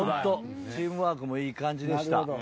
チームワークもいい感じでした。